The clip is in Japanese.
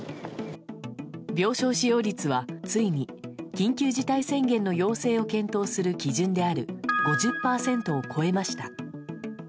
病床使用率はついに緊急事態宣言の要請を検討する基準である５０％を超えました。